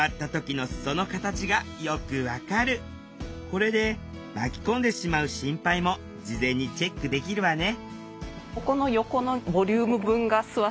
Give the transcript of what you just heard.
これで巻き込んでしまう心配も事前にチェックできるわね